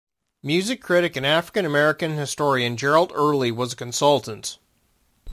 Music critic and African-American historian Gerald Early was a consultant.